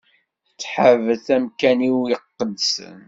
Tthabet amkan-iw iqedsen.